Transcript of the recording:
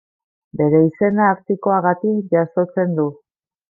Bere izena Artikoagatik jasotzen du.